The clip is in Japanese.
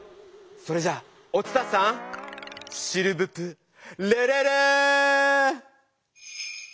それじゃお伝さんシルブプレレレー！